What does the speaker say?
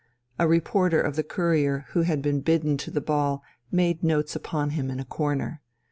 A reporter of the Courier who had been bidden to the ball made notes upon him in a corner.